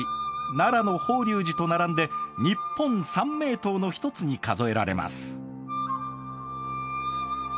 奈良の法隆寺と並んで日本三名塔の一つに数えられます。